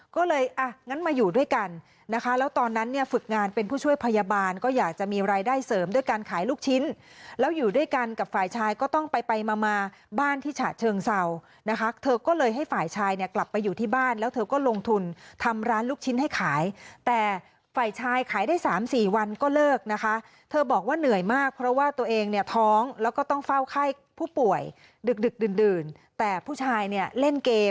ก็เลยอ่ะงั้นมาอยู่ด้วยกันนะคะแล้วตอนนั้นเนี่ยฝึกงานเป็นผู้ช่วยพยาบาลก็อยากจะมีรายได้เสริมด้วยการขายลูกชิ้นแล้วอยู่ด้วยกันกับฝ่ายชายก็ต้องไปไปมามาบ้านที่ฉะเชิงเซานะคะเธอก็เลยให้ฝ่ายชายเนี่ยกลับไปอยู่ที่บ้านแล้วเธอก็ลงทุนทำร้านลูกชิ้นให้ขายแต่ฝ่ายชายขายได้๓๔วันก็เลิกนะคะเธอบอกว่าเหนื่อยมากเพร